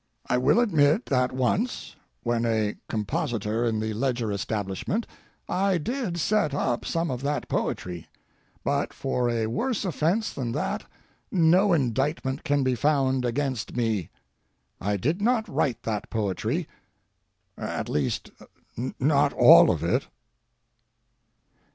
I will admit that once, when a compositor in the Ledger establishment, I did set up some of that poetry, but for a worse offence than that no indictment can be found against me. I did not write that poetry—at least, not all of it.